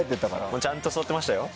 ちゃんと座ってましたよ。